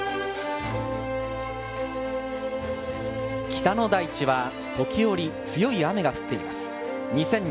北の大地は時折、強い雨が降っています。